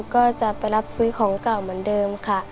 ก็จะไปรับซื้อของเก่าเหมือนเดิมค่ะ